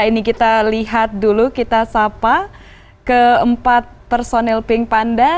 ini kita lihat dulu kita sapa keempat personil pink panda